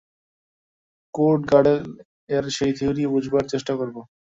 Kurt গডেল-এর সেই theory বোঝবার চেষ্টা করব।